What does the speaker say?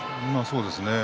そうですね。